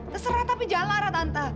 terserah tapi jangan lara tante